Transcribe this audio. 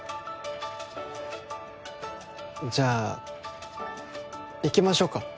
じゃあ行きましょうか